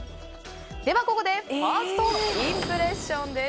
では、ここでファーストインプレッションです。